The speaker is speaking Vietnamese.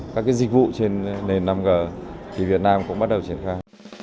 các dịch vụ trên nền năm g thì việt nam cũng bắt đầu triển khai